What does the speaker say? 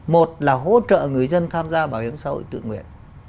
một là hỗ trợ người dân tham gia bảo hiểm xã hội